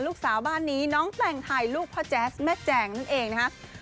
ลูกสาวบ้านนี้น้องแต่งไทยลูกพ่อแจ๊สแม่แจงนั่นเองนะครับ